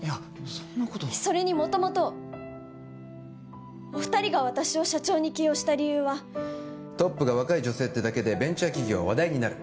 そんなことそれに元々お二人が私を社長に起用した理由はトップが若い女性ってだけでベンチャー企業は話題になる